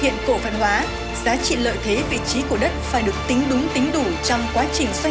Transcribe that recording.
hiện cổ phần hóa giá trị lợi thế vị trí của đất phải được tính đúng tính đủ trong quá trình doanh